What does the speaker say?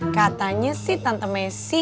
katanya si tante messi